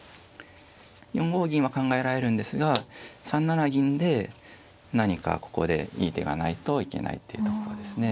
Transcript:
４五銀は考えられるんですが３七銀で何かここでいい手がないといけないっていうところですね。